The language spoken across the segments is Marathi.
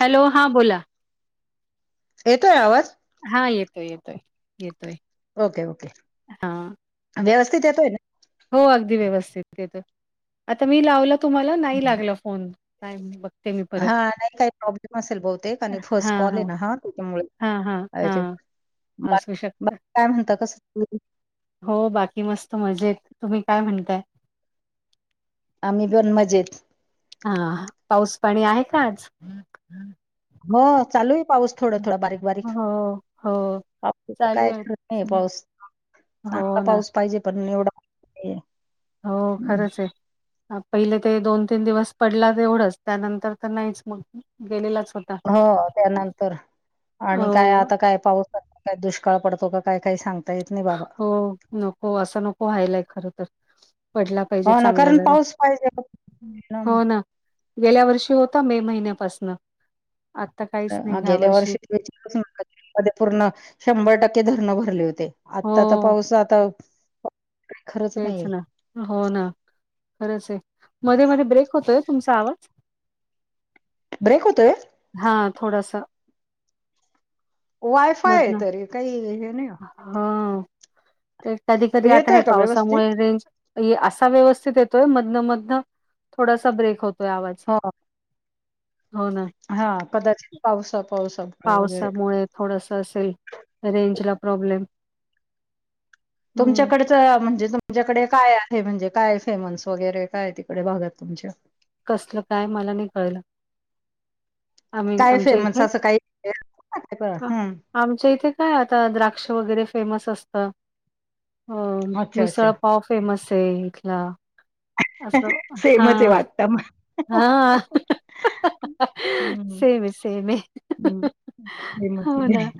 हॅलो हां बोला. येतोय आवाज. हा येतोय येतोय येतोय. ओके ओके हां. व्यवस्थित येतोय काय. हो अगदी व्यवस्थित येतोय आता मी लावला तुम्हाला नाही लागला फोन नाही बघते ते मी परत हां नाही काही प्रॉब्लेम असेल बहुतेक आणि फर्स्ट हा कॉल हा आहे ना त्याच्यामुळे हा हा हा अच्छा बाकी असू शकतो बाकी काय म्हणता कस हो बाकी मस्त मजेत तुम्ही काय म्हणताय? आम्ही पन मजेत हा पाऊस पाणी आहे का आज? हो चालू आहे पाऊस - थोडं थोडा बारीक बारीक हो, हो. पाऊस चालू काय आहे. खरत नाही पाऊस - हो ना. पाऊस पाहिजे पण एवढा हो हम्म. खरंच आहे पहिले ते दोन तीन दिवस पडला तेवढंच त्यानंतर तर नाहीच मग गेलेलाच होत हो त्यानंतर आणि काय हो आता काय पाऊस काय दुष्काळ पडतो काय काही सांगता येत नाही बाबा हो, नको असं नको व्हायलाय खर तर पडला पाहिजे हो ना चांगला कारण जरा पाऊस पाहिजे हो ना गेल्या वर्षी होता मे महिन्यापासन आता काय? गेल्या वर्षीार पूर्ण शंभर टक्के धरण भरले होते. हो आता तर पाऊस आता खरंच तेच नाहीये. ना हो ना खरंच आहे मध्ये मध्ये ब्रेक होतोय तुमचा आवाज ब्रेक होतय हा थोडासा वायफाय आहे तरी काही हे नाही हा ते कधी कधी आता येतोय आहे का व्यवस्थित? पावसामुळे रेंज असा व्यवस्थित येतोय मधन मधनं थोडासा ब्रेक होतोय आवाज. हो ना हा कदाचित पावसा पावसा पावसामुळे थोडस असेल रेंज ला प्रॉब्लेम हं तुमच्याकड म्हणजे तुमच्याकडे काय आहे, म्हणजे काय फेमस वगैरे काय तिकडे भागात तुमच्या कसलं काय मला नाही कळलं आम्ही काय आमच्या फेमस इथे असं काही का हं, आमच्या इथे काय आता द्राक्ष वगैरे फेमस असत. अ अच्छा, अच्छा. मिसळ पाव फेमस आहे इथला. असं हा सेमच आहे वाटतं. हं, हा हाह हं, सेम ये सेम ये हं. सेमच हो आहे. ना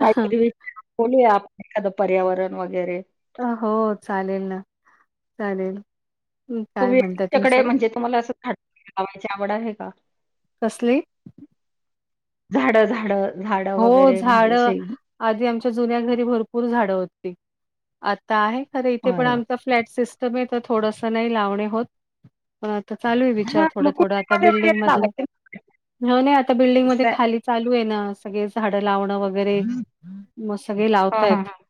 काहीतरी विषय बोलूया आपण एखादं पर्यावरण वगैरे अ हो चालेल ना चालेल काय तुम्ही म्हणताय तच्याकडे तुमचं म्हणजे तुम्हाला असं झाड लावायची आवड आहे का? कसली झाड झाड झाड हो वगैरे म्हणजे झाडं असे आधी आमच्या जुन्या घरी भरपूर झाडं होती आता आहे तर इथे पण अरे वाह! आमचा फ्लॅट सिस्टम आहे तर थोडसं नाही लावणे होत. तर चालू आहे हां, विचार थोडं मग थोडं आता कुंडीमध्ये बिल्डिंग वगैरे मधले लावायचे ना हो नाही आता बिल्डिंगमध्येध्ये असं आहे. खाली चालू आहे ना सगळे झाडं लावणं वगैरे हं. मग सगळे हां, लावता हां, येत हां.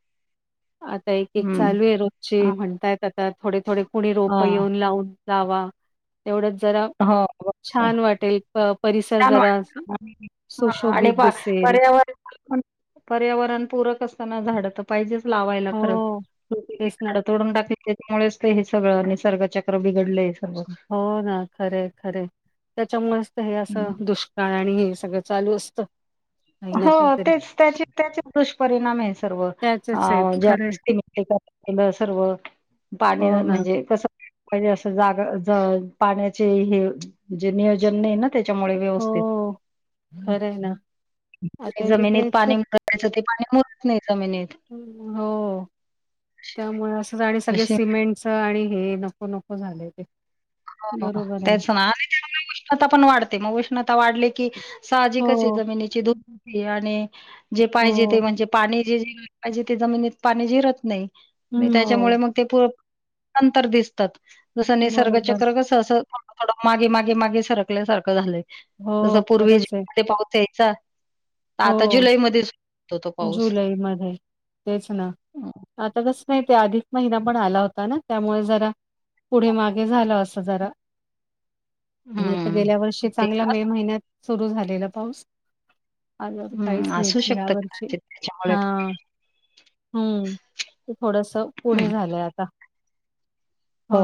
आता एक एक हं. चालू आहे रोजची अ, म्हणतायत आता थोडे थोडे कुणी रोपं हां. येऊन लावून लावा तेवढंच जरा हो, छान बरोबर. वाटेल परिसर छान जरा वाटतं. हां आणि सुशोभित प दिस पर्यावरण पर्यावरण पूरक असताना झाड... पाहिजेच लावाय हो तेच ना. खरडोडून टाक त्याच्यामुळेच ते हे सगळं आणिसर्गचक्र बिघडलंय.... सर्व. हो ना खरे खरे त्याच्यामुळेच तर हे हं. असं दुष... का आणि हे सगळं चालू असतं..... काही ना हो काहीतरी. तेच त्याचे त्याचेच दुष्परिणाम आहे सर्व... त्याचच अ आहेत ज खरंय सर्व पाणी हो ना म्हणजे कस.... हिजे असं जागा पाण्याचे हे जे नियोजन नाही ना त्याच्यामुळे व्यवस्थित..... खरं आहे ना... ते आता तिकडे जमिनीत पाणी खूप भयचं ते पाणी मुरत नाही जमिनीत... हो त्यामुळे असं आणि सगळे अशी सिमेंट आणि हे नको नको झाले ते... हो बरोबर आहे तेच ना त्या उष्णता पण वाढते मग उष्णता वाढले की.... साहजिकच आहे हो जमिनीची धोप आणि जे पाहिजे हो ते म्हणजे.., पाणी जे पाहिजे ते जमिनीत पाणी झिरत हं नाही हो त्याच्यामुळे मग..... नंतर दिसतात जसं निसर्गाचा.... बरोबर थोडं थड मागे मागे मागे सरकल्या सारखं झालं जस हो पूर्वीज खरंच आहे मध्ये पाऊस यायचा तर हो आता जुलैमध्ये सुरू होतो तो पाऊस. जुलै मध्ये तेच ना.. अ, आता कस नाही ते अधिक महिना पण आला होता ना त्यामुळे जरा... पुढे मागे झालं असं जरा... [unintelligible] तर हं. गेल्या वर्षी ते चांगला मे असं महिन्यात सुरू झालेला पाऊस... आल तर हं, काहीच असू नाही या शकतं वर्ष कदाचित त्याच्यामुळे हा.... पण. हम्म ते थोडस पुढे हं, झालंय... हो...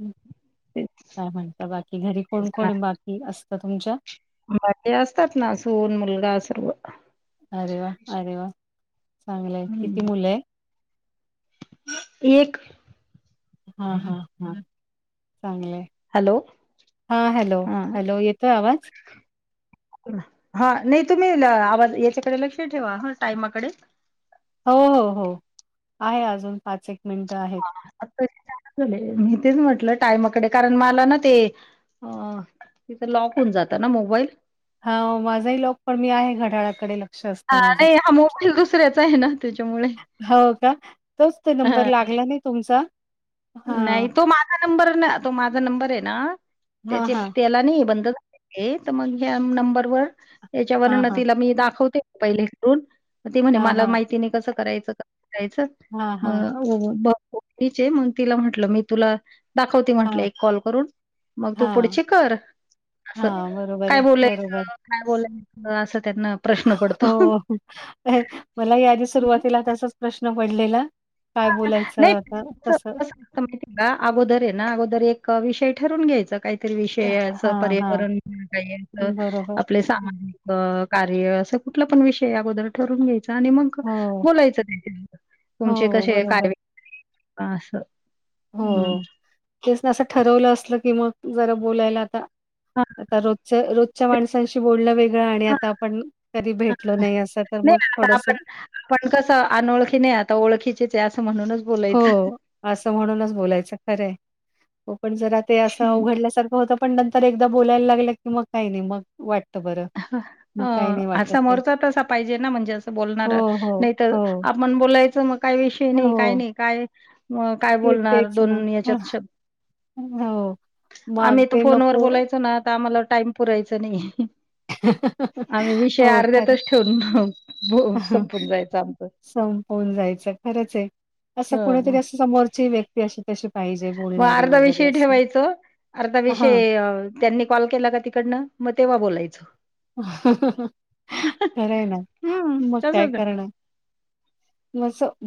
हम्म... तेच, काय म्हणत बाकी घरी तेच कोण ना. कोण बाकी असतं तुमच्या... बाकी असतात ना सून मुलगा सर्व... अरे वा अरे वा चांगलंय हं. किती मुलं आहे.... एक हा हा हा चांगलं.... हॅलो, हा हॅलो हां. हॅलो येतोय आवाज.,. हा नाही तुम्ही आवाज याच्याकडे लक्ष ठेवा ह टाइमाकडे हो हो हो आहे अजून पाच एक.. मिनिटं आहेत आ त झा मी तेच म्हटलं टाईमाकडे कारण मला ना ते... ह तिथं लॉक होऊन जात ना मोबाईल... हा माझाही लॉक पण मी आहे घडाळाकडे लग लक्ष असत हा माझ नाही हा मोबाईल दुसऱ्याचा आहे ना त्याच्यामुळे हो का.. तच त नंबर ह लागला नाही तुमचा हा नाही तो माझा नंबर ना तो माझा नंबर आहे ना हा त्याचे हा त्याला नाही बंद.... हे तर मग ह्या नंबर वर त्याच्या हां, हां. वर्णतीला मी दाखवते... पहिले करून ते म्हणे हां, मला हां. माहिती नाही कसं करायचं करायचं हां, हां. मग.... होचे म तिला म्हटलं मी तुला.... दाखवती म्हटले हां, एक कॉल करून मग तू हां. पुढची कर.... असं हां, बरोबर काय आहे. बरोबर. बोलायचं काय बोलायच असं त्यांना प्रश्न पडतो मला या आधी सुरुवातीला तसाच प्रश्न पडलेला? काय हां. बोलायचं नाही आता कसं.... माहिती आहे का अगोदर आहे ना अगोदर एक विषय ठरून घ्यायचं काही... अ, विषयाच हां, हां. पर्यावरण म्ह बरोबर. आपल्या.. सामाज कार्य असं कुठला पण विषय याबद्दल ठरून घ्यायच आणि मग... हो, बोलायच्या तुमच्या... हो. बरोबर. पास हो. हम.... तेच असं ठरवलं असलं की मग जरा बोलायला आता... हां, आता रोजच्या रोजच्या माणसांशी बोलण वेगळं आणि हां. आता आपण.... कधी भेटल नाही असं तर नाही मग आता थोडस... आपण आपण कसं अनोळखी नाही आता ओळखीचीच आहे असं म्हणूनच बोलायचं... हो, असं म्हणूनच बोलायचं खरंय हो पण जरा ते असं अवघडल्यासारखं होत... पण नंतर एकदा बोलायला लागलं की मग काही नाही मग वाटतं बरं.... मग काही नाही असा वाटत ते. समोरचा तसा पाहिजे ना म्हणजे असं बोलणार हो, हो, नाही तर.... हो, मण बोलायचं मग काही विषय नाही काय हो. नाही काय.... मग काय ते बोलणार तेच ना. दोन याच्यात शब्द... हो. मग आम्ही तर ते फोन वर नको. बोलायचो ना तर आम्हाला टाइम पुरायच नाही. ह आम्ही विषय अर्ध्यातच ठेवून आहे. संपून जायचं आमचं संपवून जायचं खरंच आहे. असं कोणीतरी ह अस समोरची व्यक्ती... जशी तशी पाहिजे. मग बोलणारी अर्धा वगैरे विषयी असं. ठेवायचं, अर्धा हां. विषय... त्यांनी कॉल केला का तिकडनं मग तेव्हा बोलायचं. खरय ना हम्म मग काय तसच करणार?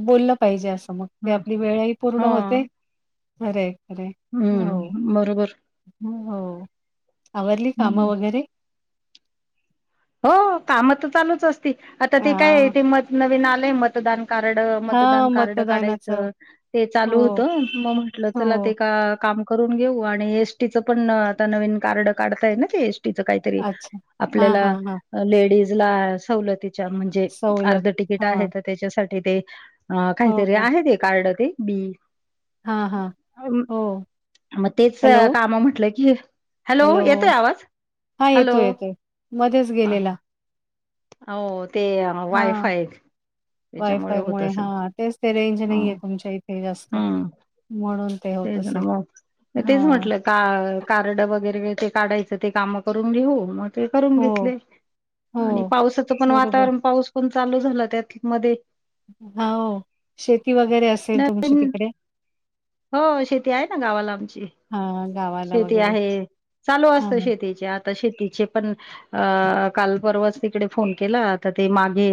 बोललं पाहिजे असं मग ते हम्म आपली वेळ हि पूर्ण हो होते. खरय खरय हो हम्म बरोबर हो.... आवरली काम हम्म वगैरे. हो काम तर चालूच असती आता ती काय हां. ते मत नवीन आलंय मतदान... कार्ड, मतदान हां, कार्ड मतदानाचं. काढायचं... ते हो, चालू होतं मग म्हंटलं चला ते हो. का काम.... करून घेऊ आणि एसटी चं पण आता नवीन कार्ड काढताय ना ते एसटीचं काही.... तरी अच्छा. हां, आपल्याला.... हां, हां. लेडीज ला सवलतीच्या म्हणजे सवलत. अर्ध तिकीट आहे हां. तर त्याच्यासाठी ते.... अ हो काहीतरी का? आहे ते कार्ड ते बी...... हां, हां. हो. मग तेच हॅलो, काम म्हटलं की..... हॅलो, येतोय आवाज हां, हॅलो..... येतोय, येतोय. मध्येच हा गेलेला.... हा हो ते हां, वायफाय त्याच्यामुळे होत वायफायमुळे. असेल.... हां, तेच ते रेंज ह नाही आहे तुमच्या इथे जास्त हम्म म्हणून ते होत..... असेल. मग तेच हां. म्हटलं.... का कार्ड वगैरे ते काढायचं ते काम करून घेऊ मग.... ते करून हो, घेतले. आणि हो. पावसाच पण बरोबर. वातावरण पाऊस.... पण चालू झालं त्यात मध्ये.... हो शेती वगैरे असेल तुमच्या नवीन तिकडे..... हो शेती आहे ना गावाला आमची... हा.... शेती आहे. चालू असत शेतीचे आता... आता शेतीचे पण अ काल परवाच तिकडे फोन केला आता ते मागे....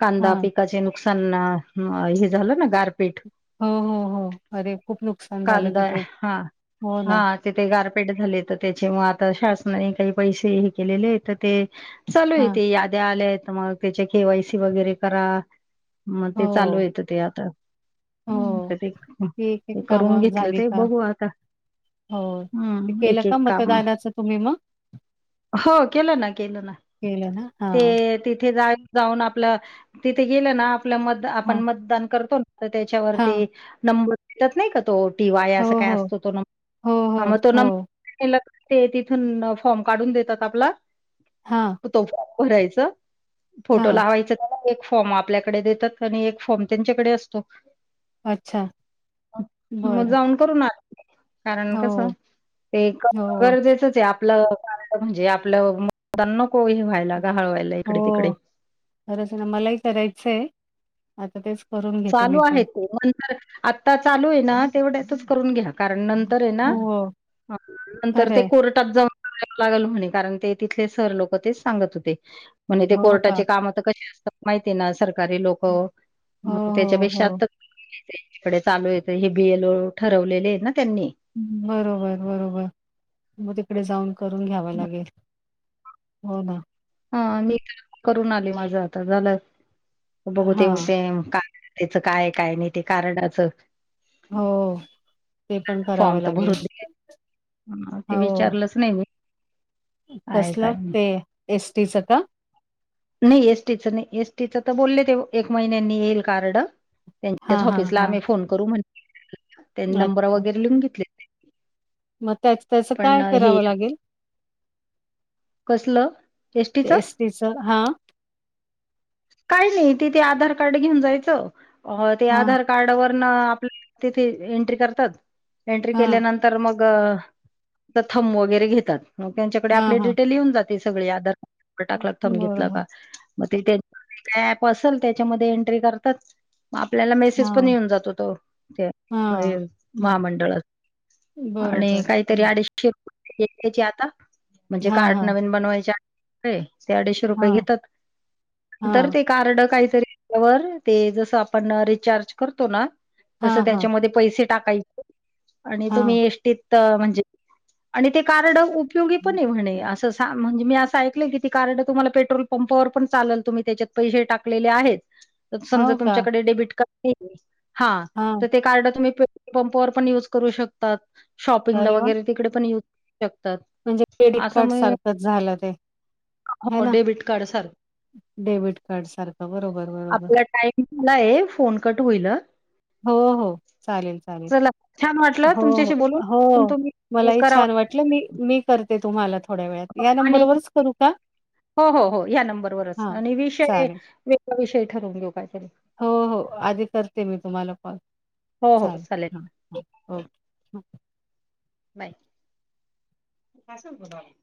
कांदा हां. पिकाचे नुकसान हे झालं ना गारपीट..... हो हो हो अरे खूप नुकसान झालं कांदा तिथे...... हा हो हा..... ना. तिथे गारपेट झाले तर त्याच्या म आता शासनाने काही पैसे हे केलेले आहेत तर ते चालू आहे हां. तेे याद्या आल्या आहेत. मग त्याच्या केवायसी वगैरे करा.... मग ते चालू हो, येतं ते आता.... हम् हो. ते ती ते एक-एक करून कामं घेतलं झाली ते का? बघू आता.. हो ते हम्म केलं एक एक का काम मतदानाचं तुम्ही मग? हो केलं ना केलं ना केलं ना? ते हां, तिथे जाय.... जाऊन आपलं तिथे गेलं ना आपल्या मत आपण हां, मतदान करतो ना... तर हां. त्याच्यावरती नंबर देतात नाही का तो टी वाय हो, असं काय हो. असतो तो... हो, हो, हा मग तो हो. नंबरला ते तिथून फॉर्म काढून देतात आपला.... हा.... तो फॉर्म भरायच फोटो हां. लावायच त्या.... फॉर्म आपल्याकडे देतात आणि एक फॉर्म त्यांच्याकडे असतो.... अच्छा. मग बरं. जाऊन करून आ.... कारण हो, कसं ते हो, गरजेचं... आपलंय म्हणजे आपलं मुतां नक हे व्हायला का हळवायला इकडे हो. तिकडे.... खरंच ना मलाही करायचंय आता तेच करून घेते मी पण... कोण? आत्ता चालू आहे ना तेवढ्यातच करून घ्या..... कारण नंतर आहे ना हो, खरं आहे. कोट.... लागल होणे कारण ते तिथले सर लोक तेच सांगत होते म्हणजे ते हो का? कोर्टाचे काम तर कशी असतात माहिती ना सरकारी लोक.... हो, मग हो, त्याच्यापेक्षा हो. इडे चालू य हे बीएल ओ ठरवलेले आहे ना त्यांनी... बरोबर बरोबर मग तिकडे जाऊन करून घ्यावा लागेल... हो ना... हा मी करून आले माझ आता झाला बघू हा तेव ते काय? त्याचं काय काय नाही ते कारणाचं.... हो ते पण करावं लागेल... हा ते विचारलंच नाही मी..... काय कसला काय नाही ते एस टीच का... नाही एसटीचं नाही एसटीचं तर बोलले ते एक महिन्यांनी येईल कार्ड... हा त्यांच्याच हा ऑफिसला हा आम्ही फोन करू म्हण त्यांनी नंबर अच्छा वगैरे लिहून घेतले.... मग त्याच त्याच पण काय हे करावं लागेल.. कसलं एस टीच... तच हा... काही नाही तिथ आधार कार्ड घेऊन जायचं ते हा आधारकार्ड... कार्ड व आपल्या तिथे एंट्री करतात एंट्री हा केल्यानंतर मग.. वगरे घेत त्यांच्याकडे हा आप हा डिटे जाते सग.. टाकला थांब घेतला बरोबर का मग ते त्यां.... का ऍप असेल त्याच्यामध्ये एंट्री करतात.... मग आपल्याला मेसेज हा पण येऊन जात होत ते हा महामंडळ..... आणि बरोबर काहीतरी अडीचशेप घ्यायचे आता म्हणजे हा कार्ड हा नवीन बनवायचे... काय ते अडीचशे हा रुपये घेतात.... हा नंतर ते कार्ड काहीतरी त्याच्यावर ते जसं आपण रिचार्ज करतो ना...... तसं हा हा त्याच्यामध्ये पैसे टाकायचे आणि हा तुम्ही एसटीत म्हणजे आणि ते कारड उपयोगी पण म्हणे असं.... म्हणज मी असं ऐक की कारड तु्हाला पेट्रोल पंपावर पण चाल तु ही.... त्याच्यात पैसे टाकलेले आहेत समजा हो का तुमच्याकडे डेबिट कार्ड हा.... हा ते कार्ड तुम्ही पेट्रोल पंपवर पण युज करू शकतात शॉपिंगला अरे वा वगैरे तिकडे पण य...... शकतात.... म्हणजे क्रेडिट कार्ड सारखंच झालं ते.... ह हो ना डेबिट कार्ड सारखं डेबिट कार्ड सारखं बरोबर बरोबर.... मला आहे फोन कट होईल हो हो चालेल चालेल चला छान वाटलं हो तुमच्याशी बोलून हो पण हो तुम्ही हे मलाही करावा छान वाट - ल मी मी करते तुम्हाला थोड्या वेळात. या आणि नंबरवरच करू का? हो हो हो या नंबरवरच हां. आणि विषय चालेल. विषय ठरवून घेऊ काहीतरी हो हो आधी करते मी तुम्हाला कॉल हो हो चालेल हां, हां. ओके. हो हां. [unintelligible]